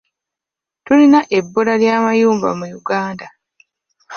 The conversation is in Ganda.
Tulina ebbula ly'amayumba mu Uganda.